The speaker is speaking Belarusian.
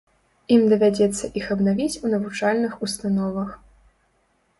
Ім давядзецца іх абнавіць у навучальных установах.